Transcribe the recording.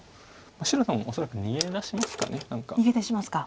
白も恐らく逃げ出しますか何か。